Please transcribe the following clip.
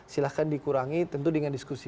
silahkan dikurangi tentu dengan diskusi